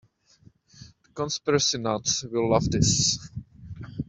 The conspiracy nuts will love this.